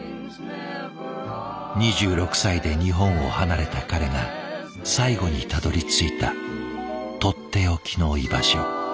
２６歳で日本を離れた彼が最後にたどりついたとっておきの居場所。